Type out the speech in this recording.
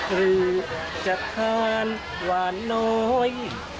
หรือจะทานหวานน้อย